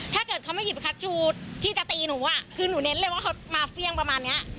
ถ้าเกิดเขาไม่หยิบคัชชูที่จะตีหนูอ่ะคือหนูเน้นเลยว่าเขามาเฟี่ยงประมาณเนี้ย